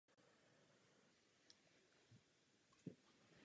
Austin je mimo jiné významná firma působící ve Vsetíně.